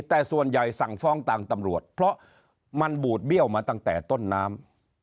แต่ส่วนใหญ่สั่งฟ้องต่างตำรวจเพราะมันบูดเบี้ยวมาตั้งแต่ต้นน้ำ